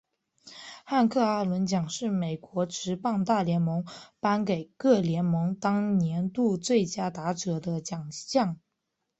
汉克阿伦奖是美国职棒大联盟颁给各联盟当年度最佳打者的奖项。